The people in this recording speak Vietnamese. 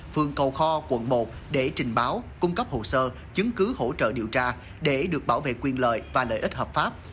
phường cầu kho quận một để trình báo cung cấp hồ sơ chứng cứ hỗ trợ điều tra để được bảo vệ quyền lợi và lợi ích hợp pháp